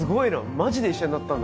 マジで医者になったんだ。